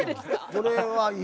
これはいいよ。